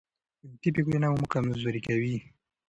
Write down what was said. منفي فکرونه مو کمزوري کوي.